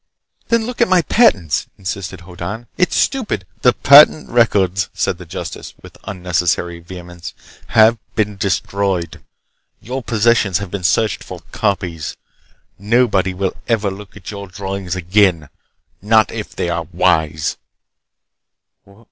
"Then look at my patents!" insisted Hoddan. "It's stupid—" "The patent records," said the justice with unnecessary vehemence, "have been destroyed. Your possessions have been searched for copies. Nobody will ever look at your drawings again—not if they are wise!"